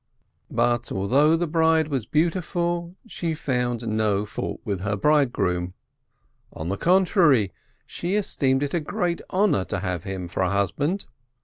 But although the bride was beautiful, she found no fault with her bridegroom; on the contrary, she es teemed it a great honor to have him for a husband.